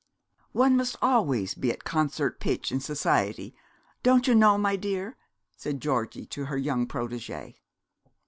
'One must always be at concert pitch in society, don't you know, my dear,' said Georgie to her young protégée.